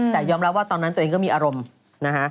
แต่ยอมรับว่าตอนนั้นตัวเองก็มีอารมณ์นะฮะ